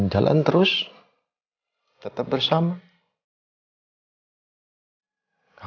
senang kamu dengar awal semua